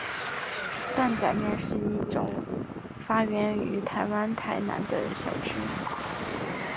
担仔面是一种发源于台湾台南的小吃。